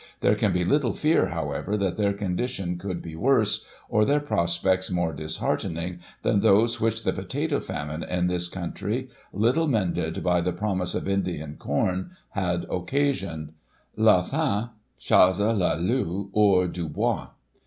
There can be little fear, however, that their condition could be worse, or their prospects more disheartening thcin those which the * potato famine ' in this country, little mended by the promise of Indian corn, had occasioned. La faint chasse le loup hors du bo is.